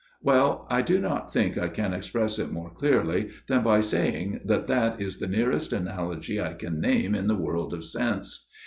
Well, I do not think I can express it more clearly than by saying that that is the nearest analogy I can name in the world of sense.